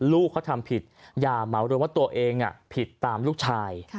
ลูกเขาทำผิดอย่าเหมารวมว่าตัวเองผิดตามลูกชาย